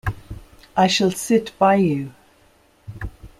I shall sit by you.